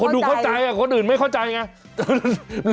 ดูเข้าใจคนอื่นไม่เข้าใจไง